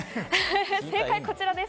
正解はこちらです。